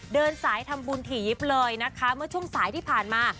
เดินสายทำบุญถี่ยิบเลยนะคะเมื่อช่วงสายที่ผ่านมา